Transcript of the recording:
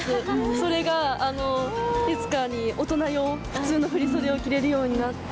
それが、いつか大人用、普通の振り袖を着れるようになって。